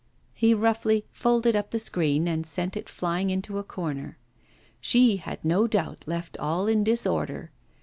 He roughly folded up the screen and sent it flying into a corner. She had no doubt left all in disorder.